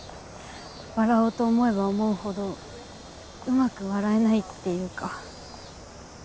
笑おうと思えば思うほどうまく笑えないっていうか。